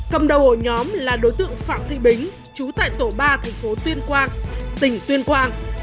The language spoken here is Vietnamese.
cầm đầu ổ nhóm là đối tượng phạm thị bính chú tại tổ ba thành phố tuyên quang tỉnh tuyên quang